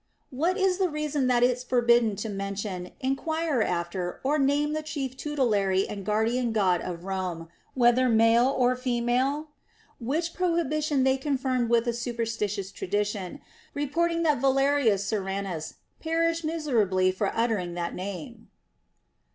What is the reason that it's forbidden to mention, enquire after, or name the chief tutelary and guardian God of Pome, whether male or female \— which prohibition they confirm with a superstitious tradition, reporting that Valerius Soranus perished miserably for uttering that name.